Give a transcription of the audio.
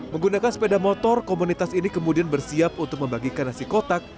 menggunakan sepeda motor komunitas ini kemudian bersiap untuk membagikan nasi kotak